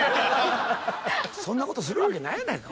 そんなことするわけないやないか。